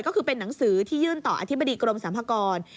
ก็คือเป็นหนังสือที่ยื่นต่ออธิบดีกรมสรรพากร